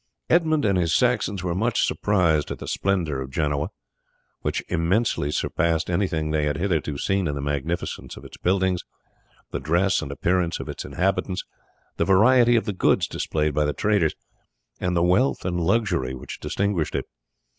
Edmund and his Saxons were much surprised at the splendour of Genoa, which immensely surpassed anything they had hitherto seen in the magnificence of its buildings, the dress and appearance of its inhabitants, the variety of the goods displayed by the traders, and the wealth and luxury which distinguished it.